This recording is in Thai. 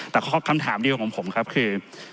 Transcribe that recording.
แต่คำถามเดียวของผมครับคือ